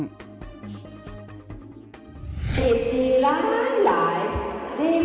สินทีร้านหลายดีเหรอ